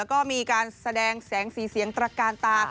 ก็มีการแสดงแสงสีเสียงตระกาลตา